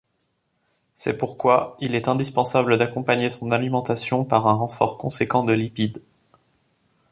C'est pourquoi, il est indispensable d’accompagner son alimentation par un renfort conséquent de lipides.